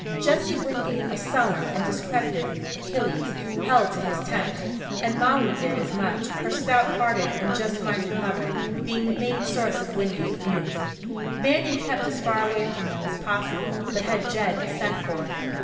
Jesse Wingate, a sullen and discredited Achilles, held to his tent, and Molly did as much, her stout hearted and just minded mother being the main source of Wingate news. Banion kept as far away from them as possible, but had Jed sent for.